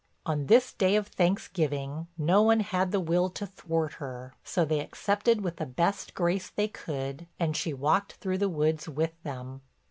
On this day of thanksgiving no one had the will to thwart her, so they accepted with the best grace they could and she walked through the woods with them.